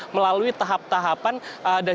melalui tahap tahapan dan